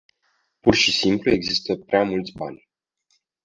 Pur și simplu există prea mulți bani.